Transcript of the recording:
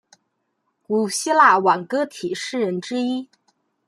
古希腊挽歌体诗人之一。